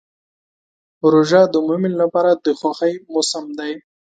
روژه د مؤمن لپاره د خوښۍ موسم دی.